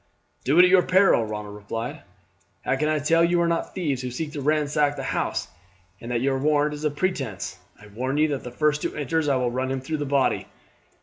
"Do it at your peril," Ronald replied. "How can I tell you are not thieves who seek to ransack the house, and that your warrant is a pretence? I warn you that the first who enters I will run him through the body."